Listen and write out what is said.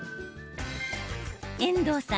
遠藤さん